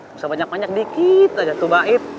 bisa banyak banyak dikit aja tuh baik